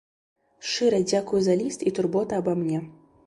Шчыра дзякую за ліст і турботы аба мне.